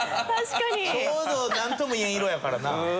ちょうどなんとも言えん色やからな。